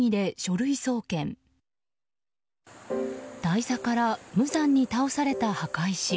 台座から無残に倒された墓石。